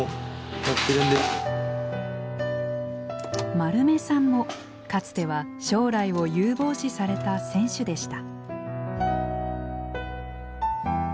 丸目さんもかつては将来を有望視された選手でした。